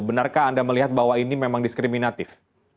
benarkah anda melihat bahwa ini memang diskriminatif